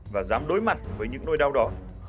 và dám đối mặt với những nỗi đau đó